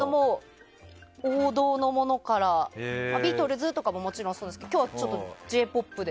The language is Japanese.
王道のものからビートルズとかももちろんそうですけど今日はちょっとＪ‐ＰＯＰで。